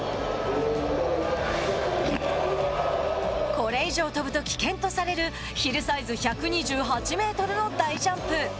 これ以上飛ぶと危険とされるヒルサイズ１２８メートルの大ジャンプ。